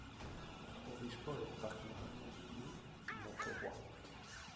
Obispo de Tacna y Moquegua.